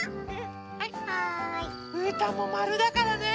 うーたんもまるだからね。